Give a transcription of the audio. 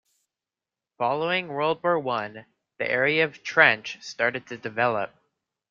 Following World War One the area of Trench started to develop.